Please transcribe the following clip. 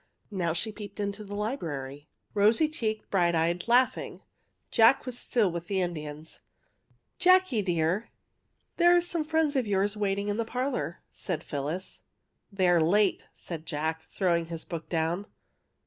Now she peeped into the library, rosy cheeked, bright eyed, laughing. Jack was stiU with the Indians. *^ Jackie, dear, there are some friends of yours waiting in the parlour," said Phyllis. " They're late," said Jack, throwing his book down.